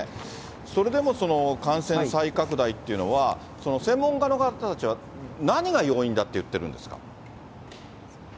それでも感染再拡大っていうのは、専門家の方たちは何が要因だって言ってるんですか？